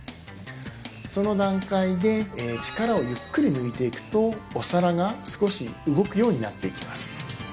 その段階で力をゆっくり抜いていくとお皿が少し動くようになっていきます